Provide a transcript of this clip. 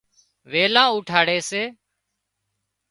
ويلان اُوٺاڙي سي